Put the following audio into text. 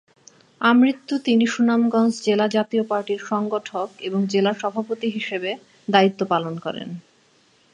আমৃত্যু তিনি সুনামগঞ্জ জেলা জাতীয় পার্টির সংগঠক এবং জেলা সভাপতি হিসাবে দায়িত্ব পালন করেন।